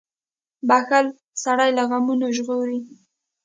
• بښل سړی له غمونو ژغوري.